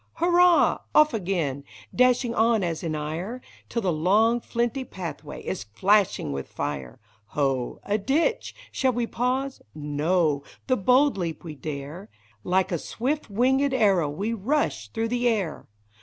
Hurrah ! off again, dashing on as in ire. Till the long, flinty pathway is flashing with fire ! Ho ! a ditch !— Shall we pause ? No ; the bold leap we dare. Like a swift winged arrow we rush through the air